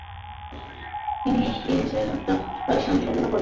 তিনি দীনেশের আত্মার শান্তি কামনা করে প্রার্থনার জন্য সবার কাছে অনুরোধ জানিয়েছেন।